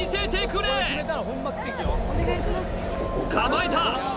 構えた！